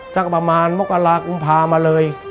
ประมาณมกรากุมภามาเลย